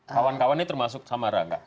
kawan kawan ini termasuk sama raga